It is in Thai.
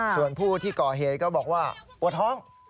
ส่วนผู้ที่ก่อเหตุก็บอกว่าปวดท้อง